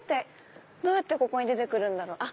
どうやってここに出てくるんだろう？